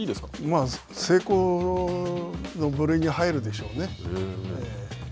まあ成功の部類に入るでしょうね。